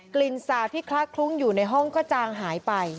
กลิ่นสาพิคลาสคลุ้งอยู่ในห้องก็จางหายไป